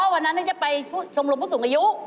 วันนั้นจะไปชมรมผู้สูงอายุ